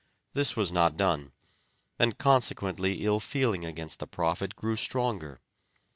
This was not done, and consequently ill feeling against the prophet grew stronger.